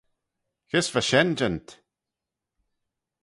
Kys va shen jeant?